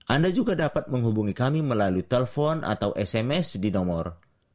anda juga dapat menghubungi kami melalui telepon atau sms di nomor